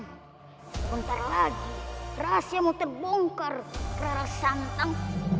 sebentar lagi rahasiamu terbongkar rara santang